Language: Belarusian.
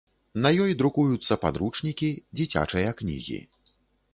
На ёй друкуюцца падручнікі, дзіцячыя кнігі.